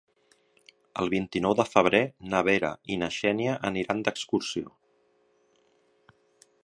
El vint-i-nou de febrer na Vera i na Xènia aniran d'excursió.